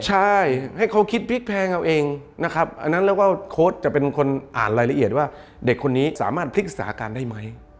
ใช่ให้เขาคิดพลิกแพงเอาเองนะครับอันนั้นแล้วก็โค้ดจะเป็นคนอ่านรายละเอียดว่าเด็กคนนี้สามารถพลิกษาการได้ไหม